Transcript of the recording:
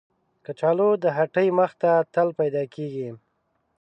کچالو د هټۍ مخ ته تل پیدا کېږي